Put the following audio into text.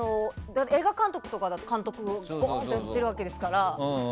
映画監督とかの監督はゴーンと出るわけですから。